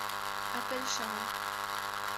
Appelle Charron.